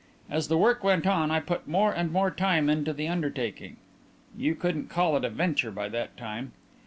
As the work went on I put more and more into the undertaking you couldn't call it a venture by that time.